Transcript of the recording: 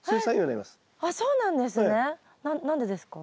あっそうなんですね。